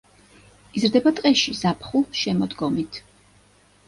იზრდება ტყეში ზაფხულ-შემოდგომით.